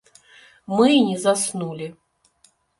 Мы і не заснулі.